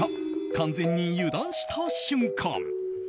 完全に油断した瞬間。